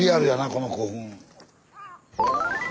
この古墳。